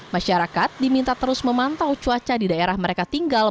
masyarakat diminta terus memantau cuaca di daerah mereka tinggal